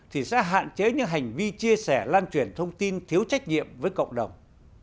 thì sẽ hạn chế những hành vi chia sẻ lan truyền thông tin thiếu trách nhiệm với cộng đồng